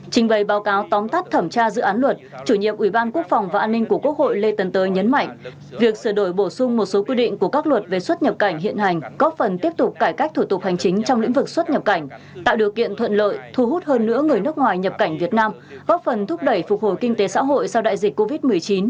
trình bày báo cáo tóm tắt thẩm tra dự án luật chủ nhiệm ủy ban quốc phòng và an ninh của quốc hội lê tấn tới nhấn mạnh việc sửa đổi bổ sung một số quy định của các luật về xuất nhập cảnh hiện hành có phần tiếp tục cải cách thủ tục hành chính trong lĩnh vực xuất nhập cảnh tạo điều kiện thuận lợi thu hút hơn nữa người nước ngoài nhập cảnh việt nam góp phần thúc đẩy phục hồi kinh tế xã hội sau đại dịch covid một mươi chín